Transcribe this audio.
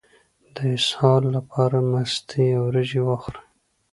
د اسهال لپاره مستې او وریجې وخورئ